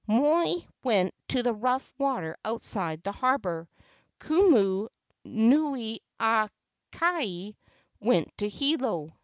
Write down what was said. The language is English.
Moi went to the rough water outside the harbor. Kumu nuiaiake went to Hilo.